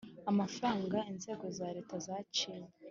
Amafaranga Inzego za Leta zaciwe